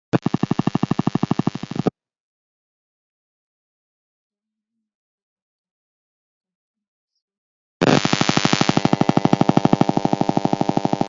Ee, anyoni igortab katunisyet weekend nitok.